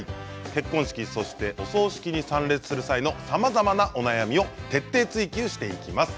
結婚式、そしてお葬式に参列する際のさまざまなお悩みを徹底追求していきます。